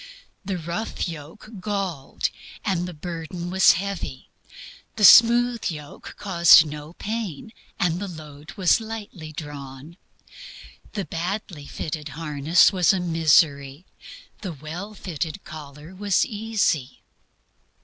The rough yoke galled, and the burden was heavy; the smooth yoke caused no pain, and the load was lightly drawn. The badly fitted harness was a misery; the well fitted collar was "easy."